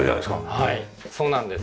はいそうなんです。